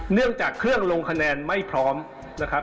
เรื่องจากเครื่องลงคะแนนไม่พร้อมนะครับ